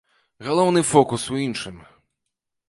Галоўны фокус у іншым.